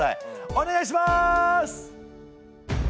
お願いします！